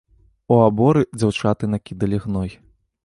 У аборы дзяўчаты накідалі гной.